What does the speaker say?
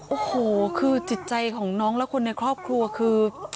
โอ้โหคือจิตใจของน้องและคนในครอบครัวคือ